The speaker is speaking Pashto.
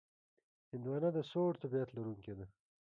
هندوانه د سوړ طبیعت لرونکې ده.